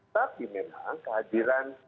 tapi memang kehadiran